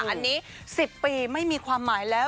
อันนี้๑๐ปีไม่มีความหมายแล้ว